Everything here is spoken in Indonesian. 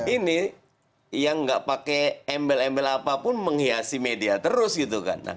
ini yang nggak pakai embel embel apapun menghiasi media terus gitu kan